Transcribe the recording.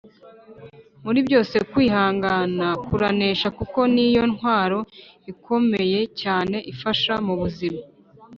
muri byose kwihangana kuranesha kuko niyo ntwaro ikomeye cyane ifasha mubuzima